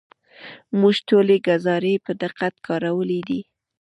موږ ټولې ګزارې په دقت کارولې دي.